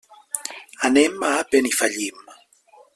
Anem a Benifallim.